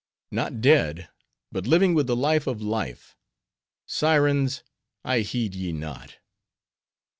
"Not dead, but living with the life of life. Sirens! I heed ye not."